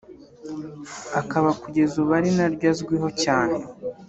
akaba kugeza ubu ari naryo azwiho cyane